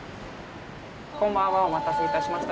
こんばんはお待たせいたしました。